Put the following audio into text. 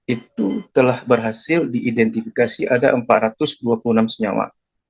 itu telah berhasil diidentifikasi ada empat ratus dua puluh enam senyawa